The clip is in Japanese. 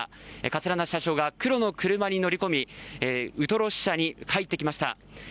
桂田社長が黒の車に乗り込みウトロ支所に入ってきました。